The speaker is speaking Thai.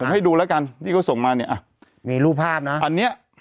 ผมให้ดูแล้วกันที่เขาส่งมาเนี่ยอ่ะมีรูปภาพนะอันเนี้ย